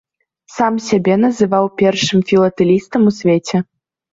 Сам сябе называў першым філатэлістам ў свеце.